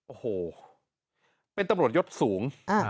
โอ้โหเป็นตำรวจยศสูง